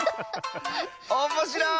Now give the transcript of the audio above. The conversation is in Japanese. おっもしろい！